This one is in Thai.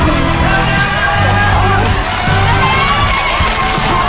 ถุงที่สิบนะครับ